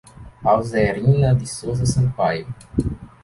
Alzerina de Souza Sampaio